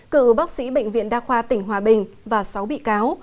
cựu bác sĩ bệnh viện đa khoa tỉnh hòa bình và sáu bị cáo